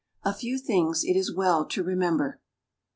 A FEW THINGS IT IS WELL TO REMEMBER.